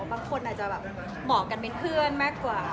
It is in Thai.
บางคนอาจจะแบบเหมาะกันเป็นเพื่อนมากกว่า